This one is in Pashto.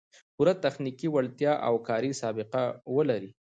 پوره تخنیکي وړتیا او کاري سابقه و لري